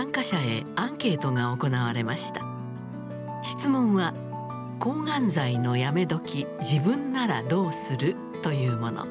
質問は「抗がん剤のやめどき自分ならどうする？」というもの。